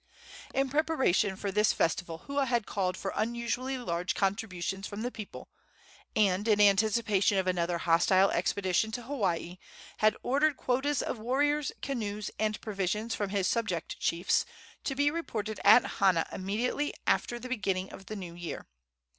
In preparation for this festival Hua had called for unusually large contributions from the people, and, in anticipation of another hostile expedition to Hawaii, had ordered quotas of warriors, canoes and provisions from his subject chiefs, to be reported at Hana immediately after the beginning of the new year.